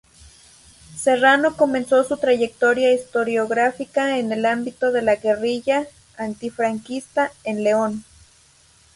Serrano comenzó su trayectoria historiográfica en el ámbito de la guerrilla antifranquista en León.